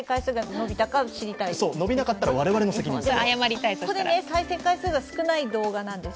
伸びなかったら我々の責任です。